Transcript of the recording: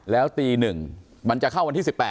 แล้วตี๑มันจะเข้าวันที่๑๘